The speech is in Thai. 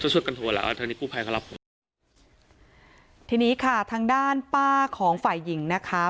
ช่วยกันโทรแล้วทางนี้กู้ภัยเขารับผมทีนี้ค่ะทางด้านป้าของฝ่ายหญิงนะคะ